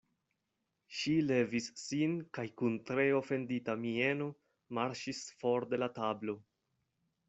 Ŝi levis sin kaj kun tre ofendita mieno marŝis for de la tablo.